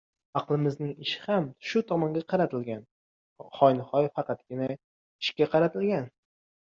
Aqlimizning ishi ham shu tomonga qaratilgan, hoynahoy, faqatgina ishga qaratilgan.